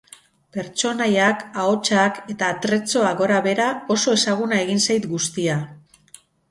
Pertsonaiak, ahotsak eta atrezzoa gora-behera, oso ezaguna egin zait guztia.